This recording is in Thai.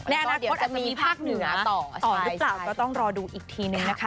แล้วก็เดี๋ยวจะมีภาคเหนือต่อต่อหรือเปล่าก็ต้องรอดูอีกทีหนึ่งนะคะ